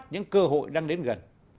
những cơ hội đang đến gần